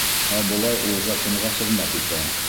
Ә былай ул Законға хеҙмәт итә.